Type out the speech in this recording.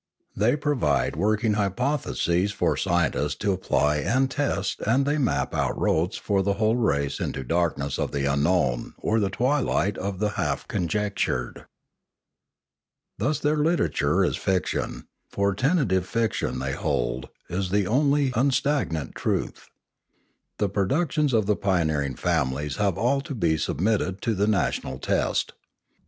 They provide working hypotheses for the scientists to apply and test and they map out roads for the whole race into the darkness of the unknown or the twilight of the half conjectured. Thus their literature is fiction; for tentative fiction, they hold, is the only unstagnant truth. The produc tions of the pioneering families have all to be submitted to the national test.